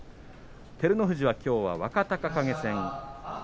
照ノ富士はきょうは若隆景戦。